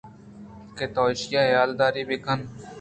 کہ تو ایشی ءِ حیالداری ءَ بہ کن